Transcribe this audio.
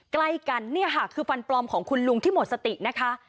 ใกล้กันเนี่ยค่ะคือฟันปลอมของคุณลุงที่หมดสตินะคะ